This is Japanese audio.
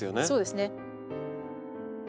そうですね。